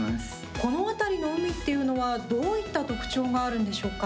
この辺りの海っていうのはどういった特徴があるんでしょうか。